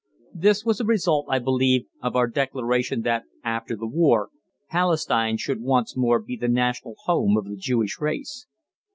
This was a result, I believe, of our declaration that after the war Palestine should once more be the national home of the Jewish race.